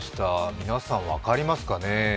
皆さん、分かりますかね。